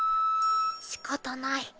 しかたない。